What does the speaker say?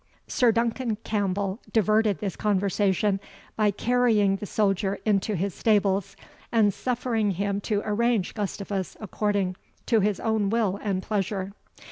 Sir Duncan Campbell diverted this conversation by carrying the soldier into his stables, and suffering him to arrange Gustavus according to his own will and pleasure.